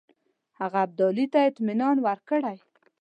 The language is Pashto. هغه ابدالي ته اطمینان ورکړی.